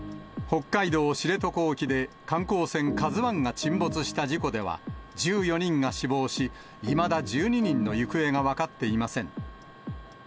北海道知床沖で、観光船ＫＡＺＵＩが沈没した事故では、１４人が死亡し、いまだ１２人の行方が分かっていません。